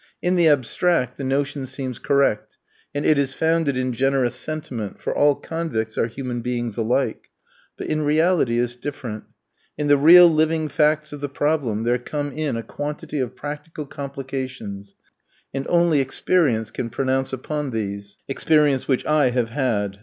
In the abstract, the notion seems correct, and it is founded in generous sentiment, for all convicts are human beings alike; but in reality it is different. In the real living facts of the problem there come in a quantity of practical complications, and only experience can pronounce upon these: experience which I have had.